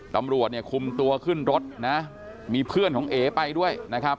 ตำรวจเนี่ยคุมตัวขึ้นรถนะมีเพื่อนของเอ๋ไปด้วยนะครับ